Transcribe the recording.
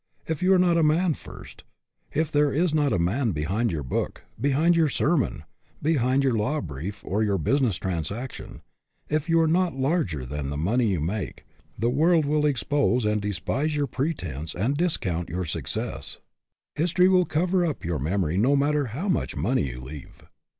If you are not a man first if there is not a man behind your book, behind your sermon, behind your law brief, or your business transaction if you are not larger than the money you make, the world will ex pose and despise your pretense and discount your success ; history will cover up your memory no matter how much money you may leave.